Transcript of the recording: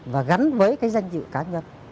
và gắn với cái danh dự cá nhân